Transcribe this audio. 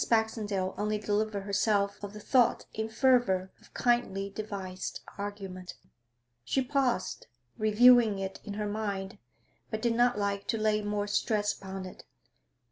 Baxendale only delivered herself of the thought in fervour of kindly devised argument. She paused, reviewing it in her mind, but did netlike to lay more stress upon it.